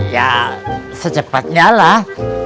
ya secepatnya lah